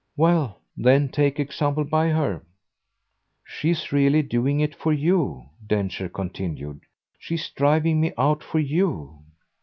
"Well then take example by her." "She's really doing it for you," Densher continued. "She's driving me out for you."